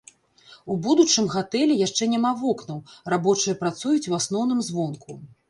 У будучым гатэлі яшчэ няма вокнаў, рабочыя працуюць у асноўным звонку.